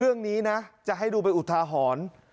เรื่องนี้นะจะให้ดูเป็นอุทาหรณ์